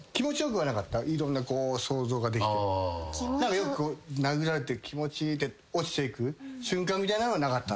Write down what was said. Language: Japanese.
よく殴られて気持ちいいって落ちていく瞬間みたいなのはなかったんだ？